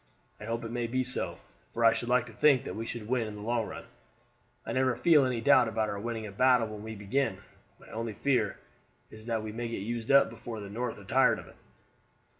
I hope it may be so, for I should like to think that we should win in the long run. I never feel any doubt about our winning a battle when we begin. My only fear is that we may get used up before the North are tired of it."